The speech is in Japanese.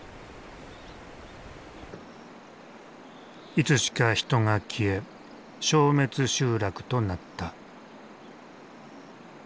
いつしか人が消え消滅集落となった。